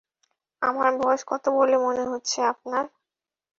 আমার বয়স কত বলে মনে হচ্ছে আপনার?